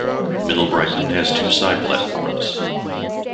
Middle Brighton has two side platforms.